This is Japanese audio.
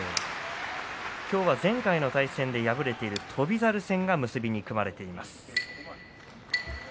今日は前回の対戦で敗れている翔猿戦が結びで組まれています。